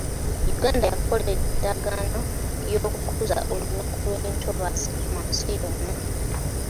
Uganda yakola endagaano y'okukuza olunaku lw'entobazi mu nsi yonna.